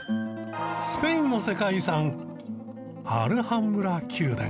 スペインの世界遺産アルハンブラ宮殿。